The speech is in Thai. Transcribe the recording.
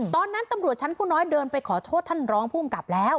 ตอนนั้นตำรวจชั้นผู้น้อยเดินไปขอโทษท่านรองภูมิกับแล้ว